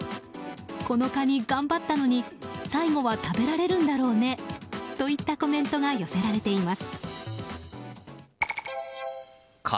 このカニ、頑張ったのに最後は食べられるんだろうねといったコメントが寄せられています。